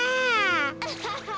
アハハハ！